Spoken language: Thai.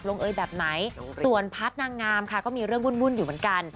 เอยแบบไหนส่วนพาร์ทนางงามค่ะก็มีเรื่องวุ่นอยู่เหมือนกัน